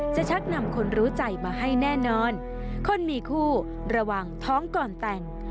ชักนำคนรู้ใจมาให้แน่นอนคนมีคู่ระวังท้องก่อนแต่ง